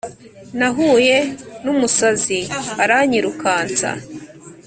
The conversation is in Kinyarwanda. Nahuye numusazi aranyirukansa